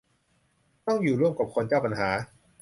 ต้องอยู่ร่วมกับคนเจ้าปัญหา